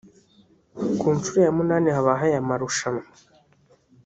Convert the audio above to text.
Ku nshuro ya munani habaho aya marushanwa